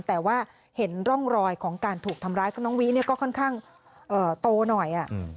แต่ว่าเห็นร่องรอยของการถูกทำร้ายของน้องวิเนี่ยก็ค่อนข้างโตหน่อย